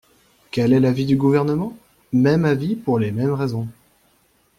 Quel est l’avis du Gouvernement ? Même avis pour les mêmes raisons.